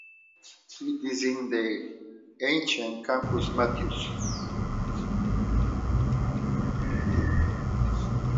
It is in the ancient Campus Martius.